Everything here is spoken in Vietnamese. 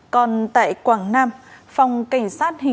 còn tại quảng nam phòng cảnh sát hình sản